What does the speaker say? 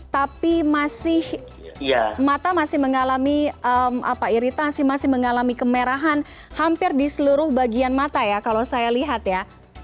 tapi masih mata masih mengalami iritasi masih mengalami kemerahan hampir di seluruh bagian mata ya kalau saya lihat ya